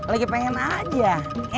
lagi pengen aja